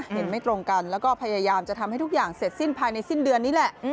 เห็นไม่ตรงกันแล้วก็พยายามจะทำให้ทุกอย่างเสร็จสิ้นภายในสิ้นเดือนนี้แหละ